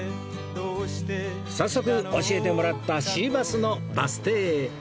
早速教えてもらった Ｃ−ｂｕｓ のバス停へ